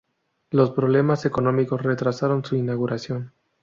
Los problemas económicos retrasaron su inauguración.